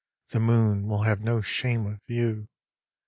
The moon will have no shame of you.